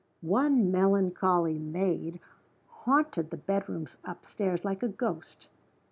One melancholy maid haunted the bedrooms up stairs, like a ghost.